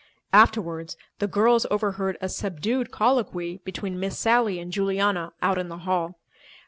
Afterwards, the girls overheard a subdued colloquy between Miss Sally and Juliana out in the hall.